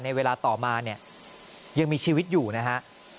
ในเวลาต่อมายังมีชีวิตอยู่นะคะ